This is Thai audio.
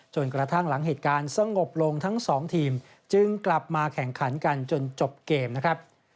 กระทั่งหลังเหตุการณ์สงบลงทั้งสองทีมจึงกลับมาแข่งขันกันจนจบเกมนะครับ